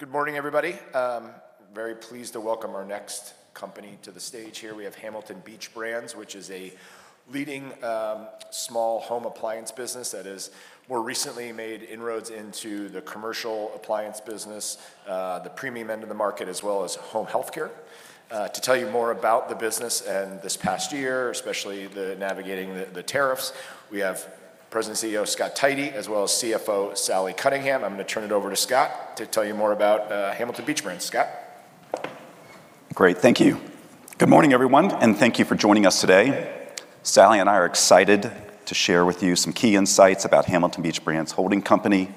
Good morning, everybody. Very pleased to welcome our next company to the stage here. We have Hamilton Beach Brands, which is a leading small home appliance business that has more recently made inroads into the commercial appliance business, the premium end of the market, as well as home healthcare. To tell you more about the business and this past year, especially navigating the tariffs, we have President and CEO Scott Tidey, as well as CFO Sally Cunningham. I'm going to turn it over to Scott to tell you more about Hamilton Beach Brands. Scott? Great. Thank you. Good morning, everyone, and thank you for joining us today. Sally and I are excited to share with you some key insights about Hamilton Beach Brands Holding Company.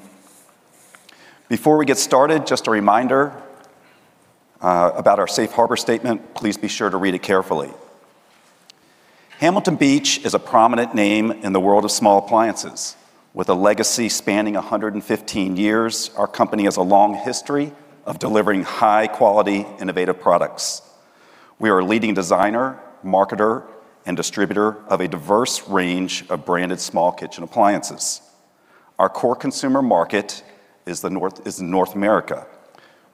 Before we get started, just a reminder about our Safe Harbor Statement. Please be sure to read it carefully. Hamilton Beach is a prominent name in the world of small appliances. With a legacy spanning 115 years, our company has a long history of delivering high-quality, innovative products. We are a leading designer, marketer, and distributor of a diverse range of branded small kitchen appliances. Our core consumer market is North America.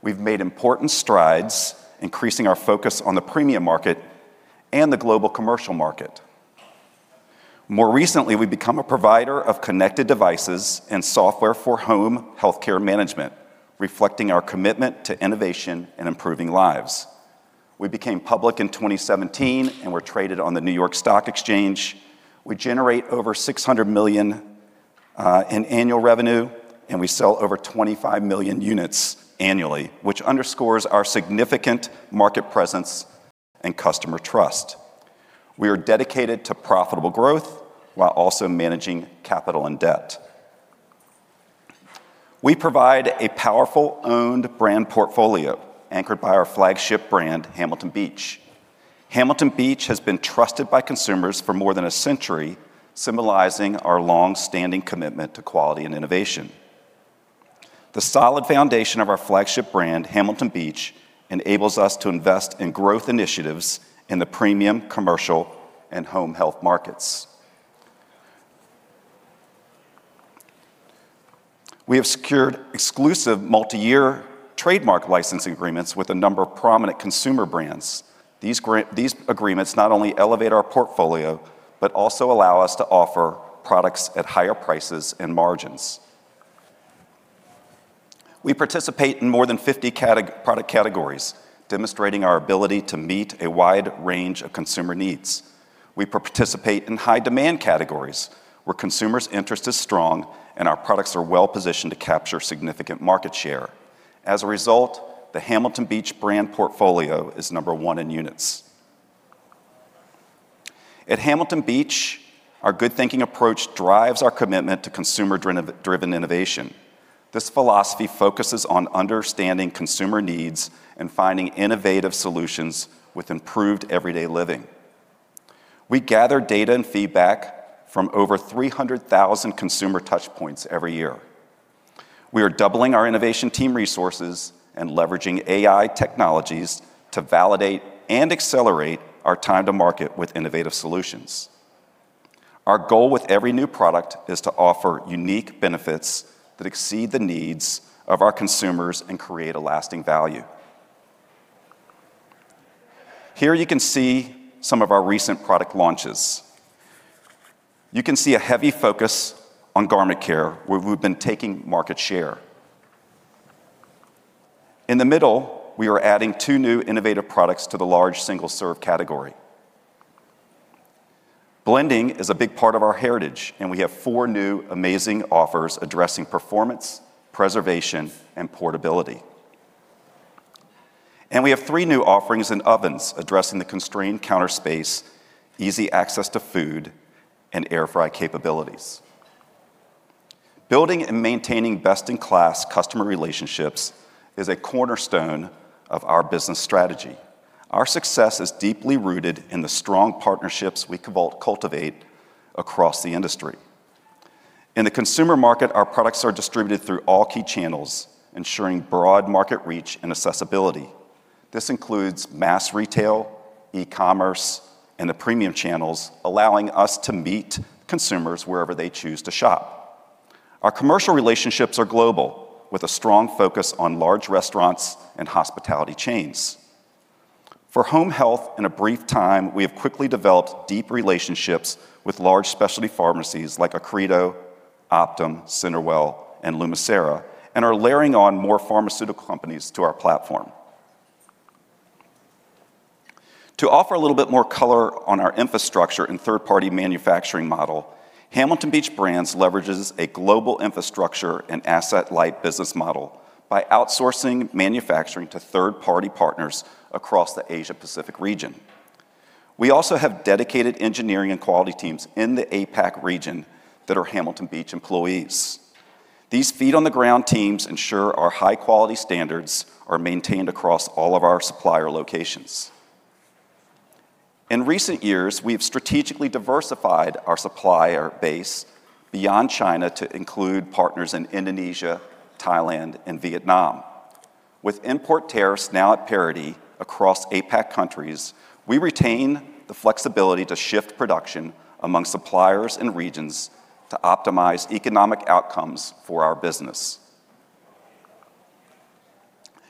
We've made important strides, increasing our focus on the premium market and the global commercial market. More recently, we've become a provider of connected devices and software for home health care management, reflecting our commitment to innovation and improving lives. We became public in 2017 and were traded on the New York Stock Exchange. We generate over $600 million in annual revenue, and we sell over 25 million units annually, which underscores our significant market presence and customer trust. We are dedicated to profitable growth while also managing capital and debt. We provide a powerful, owned brand portfolio anchored by our flagship brand, Hamilton Beach. Hamilton Beach has been trusted by consumers for more than a century, symbolizing our long-standing commitment to quality and innovation. The solid foundation of our flagship brand, Hamilton Beach, enables us to invest in growth initiatives in the premium, commercial, and home health markets. We have secured exclusive multi-year trademark licensing agreements with a number of prominent consumer brands. These agreements not only elevate our portfolio, but also allow us to offer products at higher prices and margins. We participate in more than 50 product categories, demonstrating our ability to meet a wide range of consumer needs. We participate in high-demand categories where consumers' interest is strong, and our products are well-positioned to capture significant market share. As a result, the Hamilton Beach brand portfolio is number one in units. At Hamilton Beach, our good thinking approach drives our commitment to consumer-driven innovation. This philosophy focuses on understanding consumer needs and finding innovative solutions with improved everyday living. We gather data and feedback from over 300,000 consumer touchpoints every year. We are doubling our innovation team resources and leveraging AI technologies to validate and accelerate our time to market with innovative solutions. Our goal with every new product is to offer unique benefits that exceed the needs of our consumers and create a lasting value. Here you can see some of our recent product launches. You can see a heavy focus on garment care, where we've been taking market share. In the middle, we are adding two new innovative products to the large single-serve category. Blending is a big part of our heritage, and we have four new amazing offers addressing performance, preservation, and portability. And we have three new offerings in ovens addressing the constrained counter space, easy access to food, and air fry capabilities. Building and maintaining best-in-class customer relationships is a cornerstone of our business strategy. Our success is deeply rooted in the strong partnerships we cultivate across the industry. In the consumer market, our products are distributed through all key channels, ensuring broad market reach and accessibility. This includes mass retail, e-commerce, and the premium channels, allowing us to meet consumers wherever they choose to shop. Our commercial relationships are global, with a strong focus on large restaurants and hospitality chains. For home health, in a brief time, we have quickly developed deep relationships with large specialty pharmacies like Accredo, Optum, CenterWell, and Lumicera, and are layering on more pharmaceutical companies to our platform. To offer a little bit more color on our infrastructure and third-party manufacturing model, Hamilton Beach Brands leverages a global infrastructure and asset-light business model by outsourcing manufacturing to third-party partners across the Asia-Pacific region. We also have dedicated engineering and quality teams in the APAC region that are Hamilton Beach employees. These feet-on-the-ground teams ensure our high-quality standards are maintained across all of our supplier locations. In recent years, we have strategically diversified our supplier base beyond China to include partners in Indonesia, Thailand, and Vietnam. With import tariffs now at parity across APAC countries, we retain the flexibility to shift production among suppliers and regions to optimize economic outcomes for our business.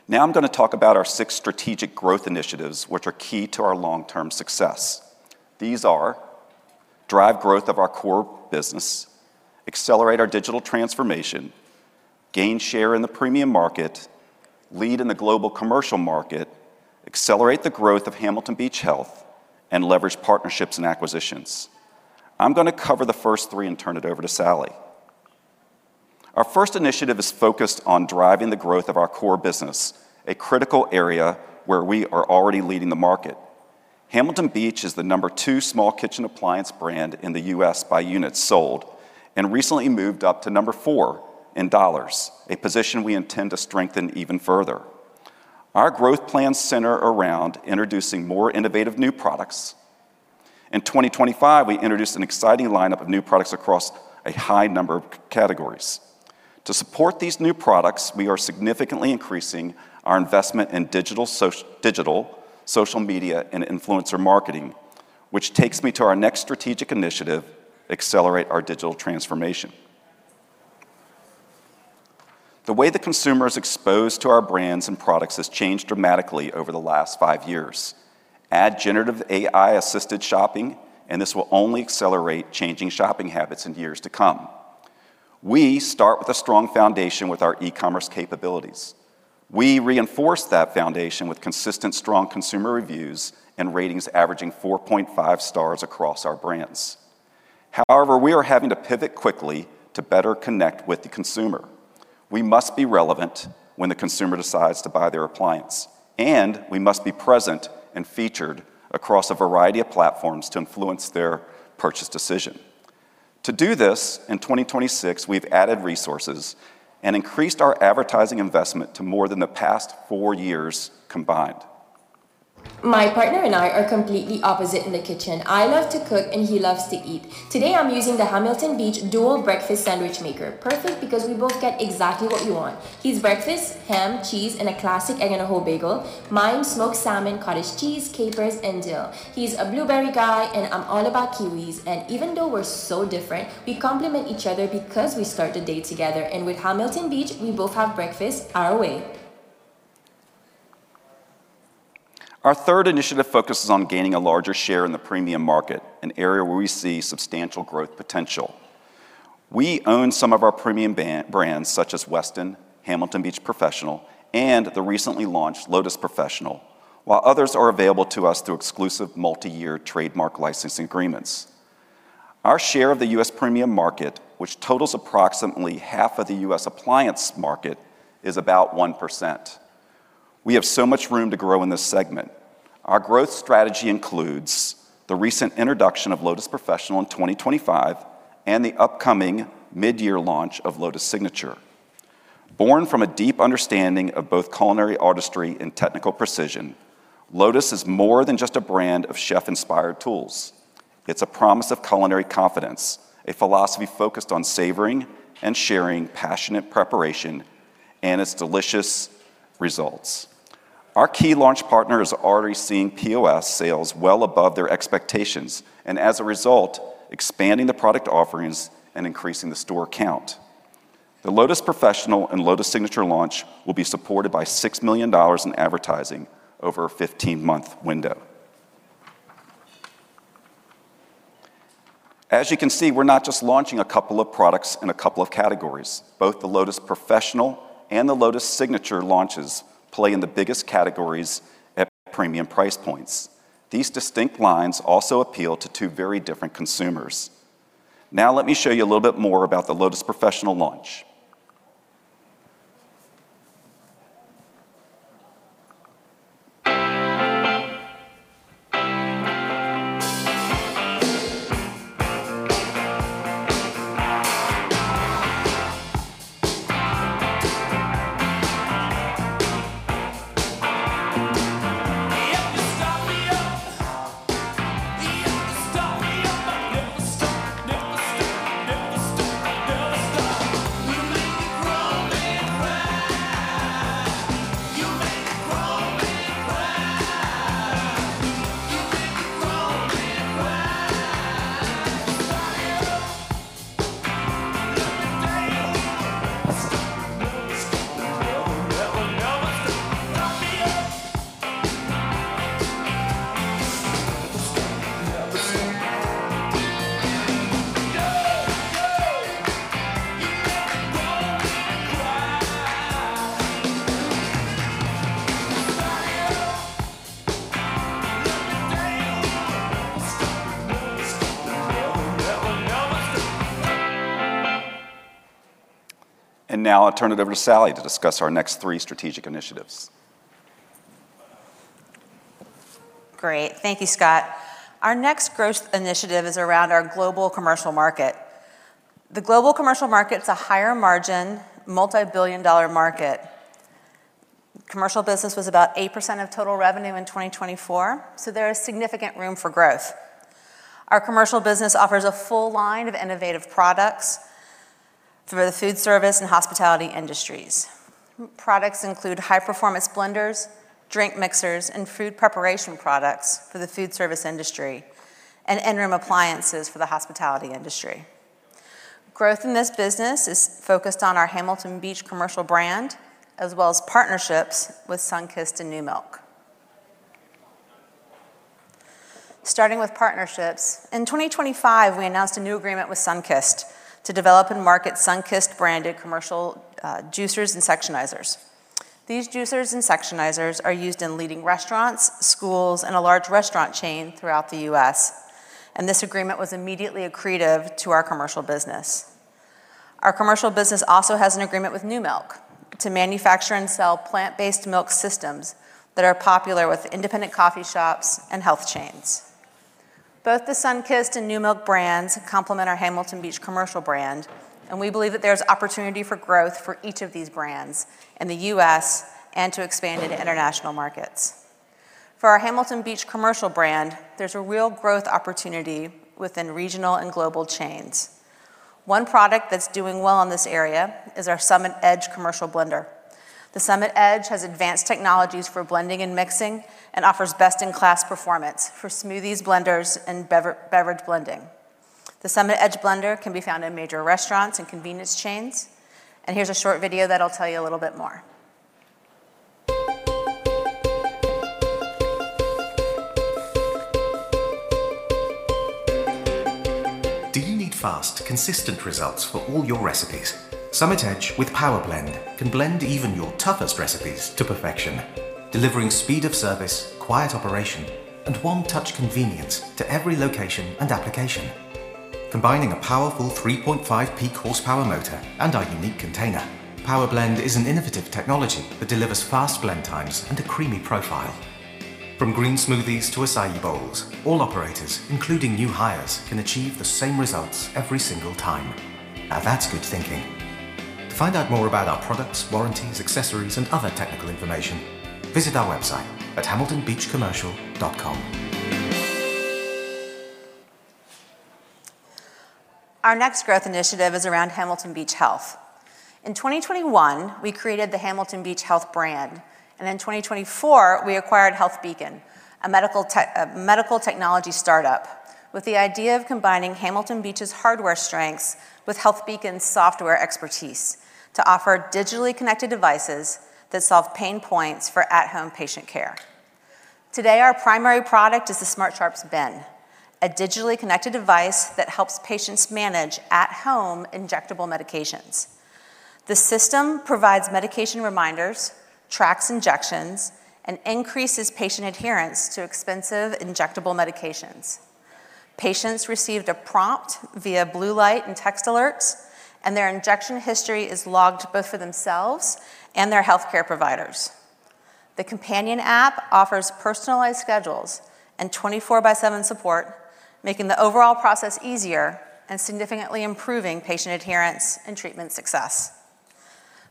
Now I'm going to talk about our six strategic growth initiatives, which are key to our long-term success. These are: drive growth of our core business, accelerate our digital transformation, gain share in the premium market, lead in the global commercial market, accelerate the growth of Hamilton Beach Health, and leverage partnerships and acquisitions. I'm going to cover the first three and turn it over to Sally. Our first initiative is focused on driving the growth of our core business, a critical area where we are already leading the market. Hamilton Beach is the number two small kitchen appliance brand in the U.S. by units sold and recently moved up to number four in dollars, a position we intend to strengthen even further. Our growth plans center around introducing more innovative new products. In 2025, we introduced an exciting lineup of new products across a high number of categories. To support these new products, we are significantly increasing our investment in digital social media and influencer marketing, which takes me to our next strategic initiative, accelerate our digital transformation. The way the consumer is exposed to our brands and products has changed dramatically over the last five years. Add generative AI-assisted shopping, and this will only accelerate changing shopping habits in years to come. We start with a strong foundation with our e-commerce capabilities. We reinforce that foundation with consistent, strong consumer reviews and ratings averaging 4.5 stars across our brands. However, we are having to pivot quickly to better connect with the consumer. We must be relevant when the consumer decides to buy their appliance, and we must be present and featured across a variety of platforms to influence their purchase decision. To do this, in 2026, we've added resources and increased our advertising investment to more than the past four years combined. My partner and I are completely opposite in the kitchen. I love to cook, and he loves to eat. Today, I'm using the Hamilton Beach Dual Breakfast Sandwich Maker, perfect because we both get exactly what we want. His breakfast, ham, cheese, and a classic egg and a whole bagel. Mine's smoked salmon, cottage cheese, capers, and dill. He's a blueberry guy, and I'm all about kiwis. And even though we're so different, we complement each other because we start the day together. And with Hamilton Beach, we both have breakfast our way. Our third initiative focuses on gaining a larger share in the premium market, an area where we see substantial growth potential. We own some of our premium brands, such as Weston, Hamilton Beach Professional, and the recently launched Lotus Professional, while others are available to us through exclusive multi-year trademark licensing agreements. Our share of the U.S. premium market, which totals approximately half of the U.S. appliance market, is about 1%. We have so much room to grow in this segment. Our growth strategy includes the recent introduction of Lotus Professional in 2025 and the upcoming mid-year launch of Lotus Signature. Born from a deep understanding of both culinary artistry and technical precision, Lotus is more than just a brand of chef-inspired tools. It's a promise of culinary confidence, a philosophy focused on savoring and sharing passionate preparation, and its delicious results. Our key launch partner is already seeing POS sales well above their expectations, and as a result, expanding the product offerings and increasing the store count. The Lotus Professional and Lotus Signature launch will be supported by $6 million in advertising over a 15-month window. As you can see, we're not just launching a couple of products in a couple of categories. Both the Lotus Professional and the Lotus Signature launches play in the biggest categories at premium price points. These distinct lines also appeal to two very different consumers. Now let me show you a little bit more about the Lotus Professional launch. Now I'll turn it over to Sally to discuss our next three strategic initiatives. Great. Thank you, Scott. Our next growth initiative is around our global commercial market. The global commercial market is a higher margin, multi-billion dollar market. Commercial business was about 8% of total revenue in 2024, so there is significant room for growth. Our commercial business offers a full line of innovative products for the food service and hospitality industries. Products include high-performance blenders, drink mixers, and food preparation products for the food service industry, and in-room appliances for the hospitality industry. Growth in this business is focused on our Hamilton Beach Commercial brand, as well as partnerships with Sunkist and Numilk. Starting with partnerships, in 2025, we announced a new agreement with Sunkist to develop and market Sunkist-branded commercial juicers and sectionizers. These juicers and sectionizers are used in leading restaurants, schools, and a large restaurant chain throughout the U.S., and this agreement was immediately accretive to our commercial business. Our commercial business also has an agreement with Numilk to manufacture and sell plant-based milk systems that are popular with independent coffee shops and health chains. Both the Sunkist and Numilk brands complement our Hamilton Beach Commercial brand, and we believe that there is opportunity for growth for each of these brands in the U.S. and to expand into international markets. For our Hamilton Beach Commercial brand, there's a real growth opportunity within regional and global chains. One product that's doing well in this area is our Summit Edge commercial blender. The Summit Edge has advanced technologies for blending and mixing and offers best-in-class performance for smoothies, blenders, and beverage blending. The Summit Edge blender can be found in major restaurants and convenience chains. Here's a short video that'll tell you a little bit more. Do you need fast, consistent results for all your recipes? Summit Edge with Power Blend can blend even your toughest recipes to perfection, delivering speed of service, quiet operation, and one-touch convenience to every location and application. Combining a powerful 3.5 peak horsepower motor and our unique container, Power Blend is an innovative technology that delivers fast blend times and a creamy profile. From green smoothies to acai bowls, all operators, including new hires, can achieve the same results every single time. Now that's good thinking. To find out more about our products, warranties, accessories, and other technical information, visit our website at hamiltonbeachcommercial.com. Our next growth initiative is around Hamilton Beach Health. In 2021, we created the Hamilton Beach Health brand, and in 2024, we acquired HealthBeacon, a medical technology startup, with the idea of combining Hamilton Beach's hardware strengths with HealthBeacon's software expertise to offer digitally connected devices that solve pain points for at-home patient care. Today, our primary product is the Smart Sharps Bin, a digitally connected device that helps patients manage at-home injectable medications. The system provides medication reminders, tracks injections, and increases patient adherence to expensive injectable medications. Patients receive a prompt via blue light and text alerts, and their injection history is logged both for themselves and their healthcare providers. The companion app offers personalized schedules and 24x7 support, making the overall process easier and significantly improving patient adherence and treatment success.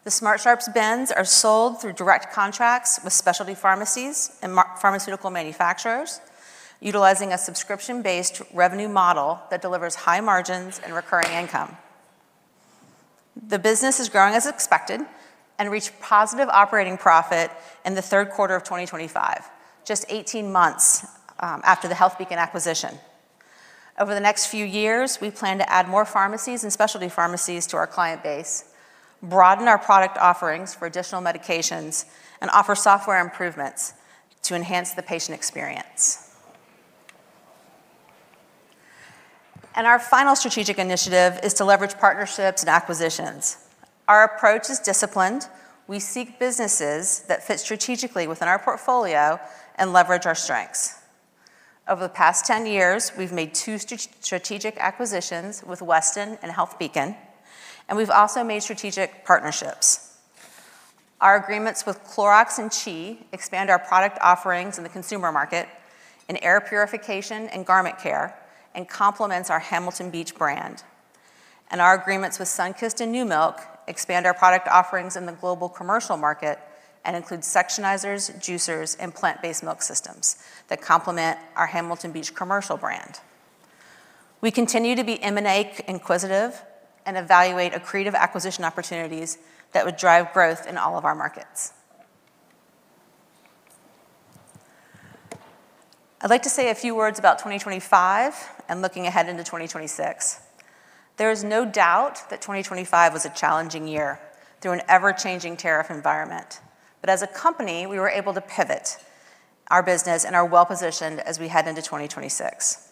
The Smart Sharps Bins are sold through direct contracts with specialty pharmacies and pharmaceutical manufacturers, utilizing a subscription-based revenue model that delivers high margins and recurring income. The business is growing as expected and reached positive operating profit in the third quarter of 2025, just 18 months after the HealthBeacon acquisition. Over the next few years, we plan to add more pharmacies and specialty pharmacies to our client base, broaden our product offerings for additional medications, and offer software improvements to enhance the patient experience. And our final strategic initiative is to leverage partnerships and acquisitions. Our approach is disciplined. We seek businesses that fit strategically within our portfolio and leverage our strengths. Over the past 10 years, we've made two strategic acquisitions with Weston and HealthBeacon, and we've also made strategic partnerships. Our agreements with Clorox and CHI expand our product offerings in the consumer market in air purification and garment care and complement our Hamilton Beach brand, and our agreements with Sunkist and Numilk expand our product offerings in the global commercial market and include sectionizers, juicers, and plant-based milk systems that complement our Hamilton Beach Commercial brand. We continue to be M&A inquisitive and evaluate accretive acquisition opportunities that would drive growth in all of our markets. I'd like to say a few words about 2025 and looking ahead into 2026. There is no doubt that 2025 was a challenging year through an ever-changing tariff environment, but as a company, we were able to pivot our business and are well-positioned as we head into 2026.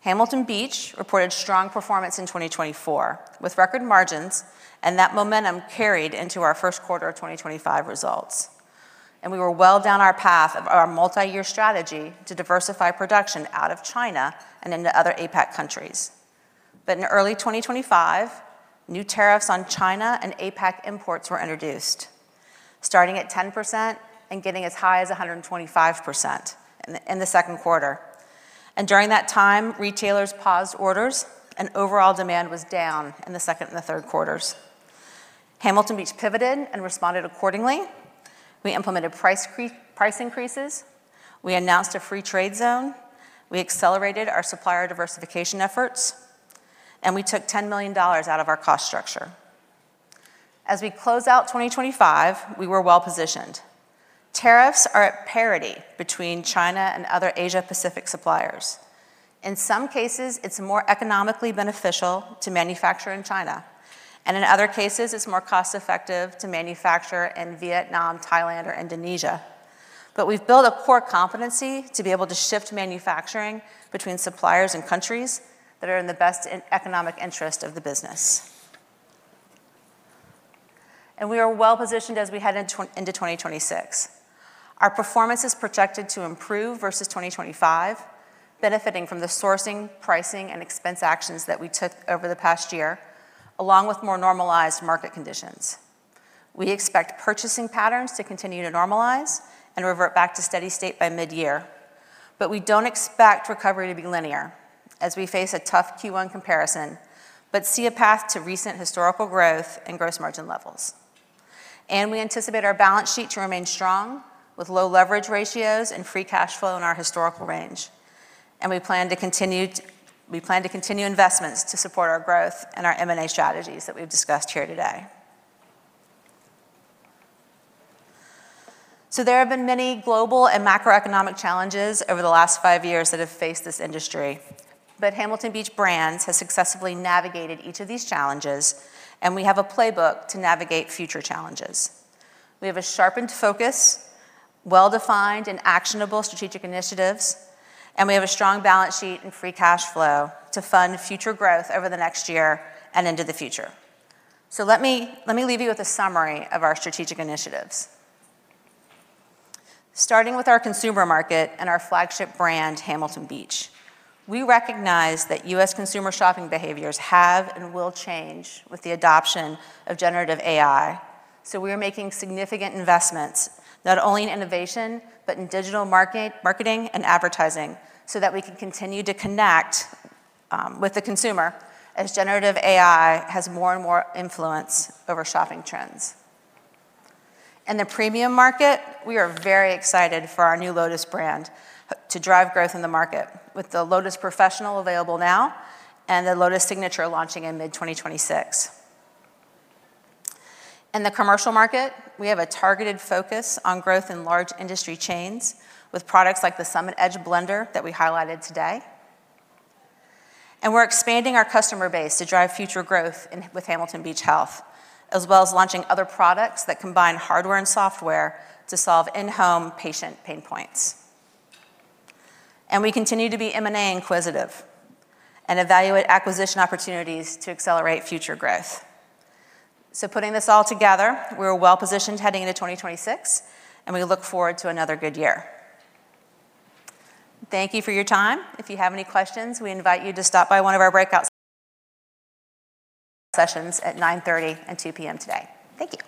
Hamilton Beach reported strong performance in 2024 with record margins, and that momentum carried into our first quarter of 2025 results. And we were well down our path of our multi-year strategy to diversify production out of China and into other APAC countries. But in early 2025, new tariffs on China and APAC imports were introduced, starting at 10% and getting as high as 125% in the second quarter. And during that time, retailers paused orders, and overall demand was down in the second and the third quarters. Hamilton Beach pivoted and responded accordingly. We implemented price increases. We announced a free trade zone. We accelerated our supplier diversification efforts, and we took $10 million out of our cost structure. As we close out 2025, we were well-positioned. Tariffs are at parity between China and other Asia-Pacific suppliers. In some cases, it's more economically beneficial to manufacture in China, and in other cases, it's more cost-effective to manufacture in Vietnam, Thailand, or Indonesia. But we've built a core competency to be able to shift manufacturing between suppliers and countries that are in the best economic interest of the business. And we are well-positioned as we head into 2026. Our performance is projected to improve versus 2025, benefiting from the sourcing, pricing, and expense actions that we took over the past year, along with more normalized market conditions. We expect purchasing patterns to continue to normalize and revert back to steady state by mid-year. But we don't expect recovery to be linear as we face a tough Q1 comparison, but see a path to recent historical growth and gross margin levels. And we anticipate our balance sheet to remain strong with low leverage ratios and free cash flow in our historical range. And we plan to continue investments to support our growth and our M&A strategies that we've discussed here today. So there have been many global and macroeconomic challenges over the last five years that have faced this industry. But Hamilton Beach Brands has successfully navigated each of these challenges, and we have a playbook to navigate future challenges. We have a sharpened focus, well-defined and actionable strategic initiatives, and we have a strong balance sheet and free cash flow to fund future growth over the next year and into the future. So let me leave you with a summary of our strategic initiatives. Starting with our consumer market and our flagship brand, Hamilton Beach, we recognize that U.S. consumer shopping behaviors have and will change with the adoption of generative AI. So we are making significant investments not only in innovation, but in digital marketing and advertising so that we can continue to connect with the consumer as generative AI has more and more influence over shopping trends. In the premium market, we are very excited for our new Lotus brand to drive growth in the market with the Lotus Professional available now and the Lotus Signature launching in mid-2026. In the commercial market, we have a targeted focus on growth in large industry chains with products like the Summit Edge Blender that we highlighted today. And we're expanding our customer base to drive future growth with Hamilton Beach Health, as well as launching other products that combine hardware and software to solve in-home patient pain points. And we continue to be M&A inquisitive and evaluate acquisition opportunities to accelerate future growth. So putting this all together, we are well-positioned heading into 2026, and we look forward to another good year. Thank you for your time. If you have any questions, we invite you to stop by one of our breakout sessions at 9:30 A.M. and 2:00 P.M. today. Thank you.